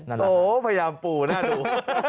เออโอ้โฮพยายามปูหน้าดู